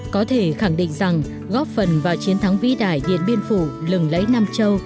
có thể khẳng định rằng góp phần vào chiến thắng vĩ đại điện biên phủ lừng lẫy nam châu